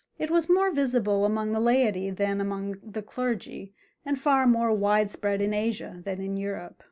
It was more visible among the laity than among the clergy, and far more widespread in Asia than in Europe.